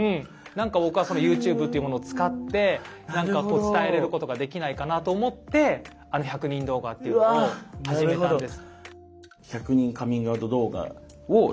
何か僕はＹｏｕＴｕｂｅというものを使って何か伝えれることができないかなと思って１００人動画っていうものを始めたんです。